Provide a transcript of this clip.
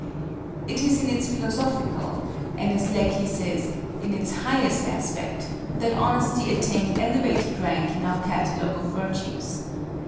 It is in its philosophical, and as Lecky says, in its highest aspect, that Honesty attained elevated rank in our catalogue of virtues.